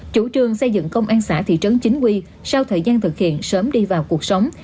chủ trương xây dựng công an xã thị trấn chính quy sau thời gian thực hiện sớm đi vào cuộc sống